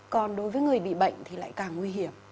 còn đối với người bị bệnh thì lại càng nguy hiểm